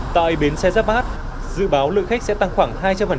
tại bến xe giáp bát dự báo lượng khách sẽ tăng khoảng hai trăm linh